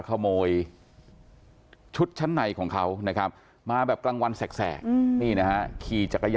ขโมยชุดชั้นในของเขานะครับมาแบบกลางวันแสกนี่นะฮะขี่จักรยาน